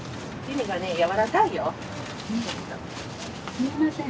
すいません。